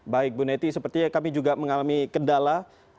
baik bu neti sepertinya kami juga mengalami kendala